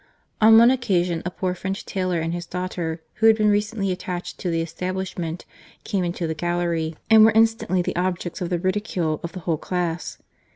On one occasion a poor French tailor and his daughter, who had been recently attached to the establishment, came into the gallery and were instantly the objects of the ridicule of the whole class.